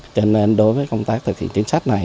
cho nên đối với công tác thực hiện chính sách này